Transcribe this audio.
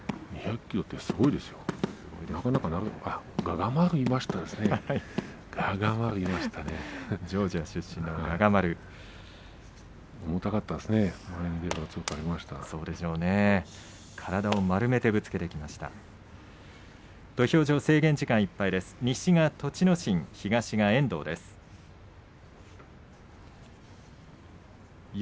２００ｋｇってすごいですよ。